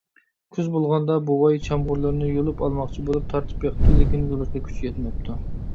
كۈز بولغاندا، بوۋاي چامغۇرلىرىنى يۇلۇپ ئالماقچى بولۇپ تارتىپ بېقىپتۇ، لېكىن يۇلۇشقا كۈچى يەتمەپتۇ.